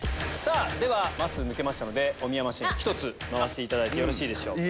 ではまっすー抜けましたのでおみやマシン回していただいてよろしいでしょうか？